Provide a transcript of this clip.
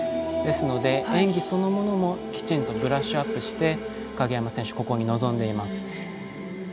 ですので、演技そのものもきちんとブラッシュアップして鍵山選手、ここに臨んでいます。